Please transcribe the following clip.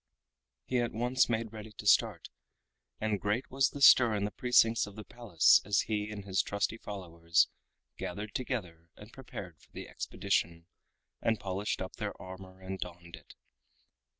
He at once made ready to start, and great was the stir in the precincts of the Palace as he and his trusty followers gathered together and prepared for the expedition, and polished up their armor and donned it.